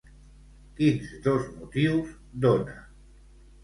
Quins dos motius dona?